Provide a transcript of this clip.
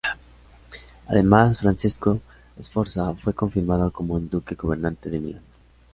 Además, Francesco Sforza fue confirmado como el duque gobernante de Milán.